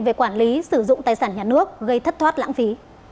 về quản lý sử dụng tài sản nhà nước gây thất thoát lãng phí